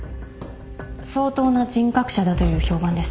相当な人格者だという評判です。